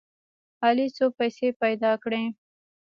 علي څو پیسې پیدا کړې.